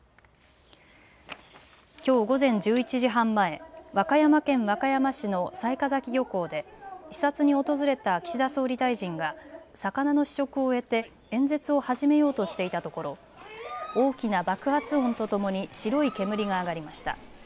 きょう午前１１時半前、和歌山県和歌山市の雑賀崎漁港で視察に訪れた岸田総理大臣が魚の試食を終えて演説を始めようとしていたところ、大きな爆発音とともに白い煙が上がりました。